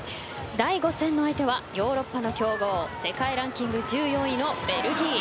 第５戦の相手はヨーロッパの強豪世界ランキング１４位のベルギー。